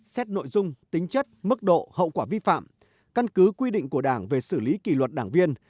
xét nội dung tính chất mức độ hậu quả vi phạm căn cứ quy định của đảng về xử lý kỷ luật đảng viên